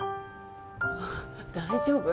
あっ大丈夫。